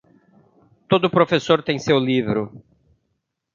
Todo professor tem seu livro.